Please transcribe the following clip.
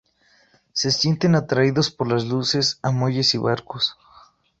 Se sienten atraídos por las luces a muelles y barcos.